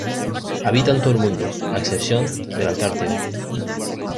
Habita en todo el mundo, a excepción de la Antártida.